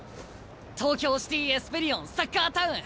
東京シティ・エスペリオンサッカータウン。